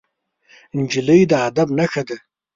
نجلۍ د ادب نښه ده.